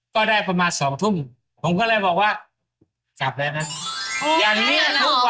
แค่มาแอบมองอยู่หน้าบ้านอย่างนี้